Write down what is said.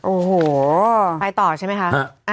โอ้โหไปต่อใช่ไหมคะ